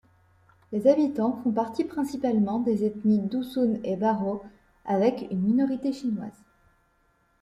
Les habitants font partie principalement des ethnies Dusun et Bajau avec une minorité chinoise.